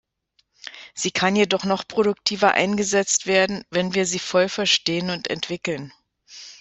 Sie kann jedoch noch produktiver eingesetzt werden, wenn wir sie voll verstehen und entwickeln.